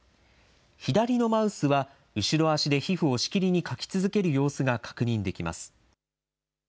左のマウスは後ろ足で皮膚をしきりにかき続ける様子が確認できます。